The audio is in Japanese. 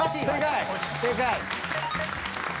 正解。